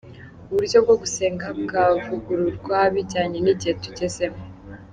Uburyo bwo gusenga bwavugururwa bijyanye n’igihe tugezemo.